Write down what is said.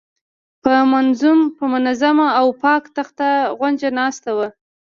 په منظم او پاک تخت غونجه ناسته وه.